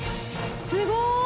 すごい。